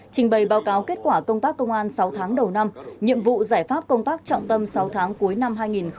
trình bày báo cáo kết quả công tác công an sáu tháng đầu năm nhiệm vụ giải pháp công tác trọng tâm sáu tháng cuối năm hai nghìn hai mươi ba